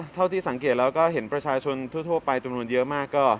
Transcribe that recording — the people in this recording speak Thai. เท่าที่สังเกตแล้วก็เห็นประชาชนทั่วมากก็